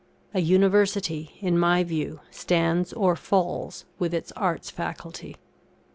A University, in my view, stands or falls with its Arts' Faculty.